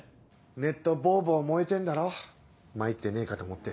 ネットボボ燃えてんだろ参ってねえかと思って。